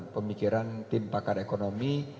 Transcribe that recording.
pemikiran tim pakar ekonomi